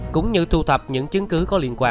cũng như thu thập những chứng cứ có liên quan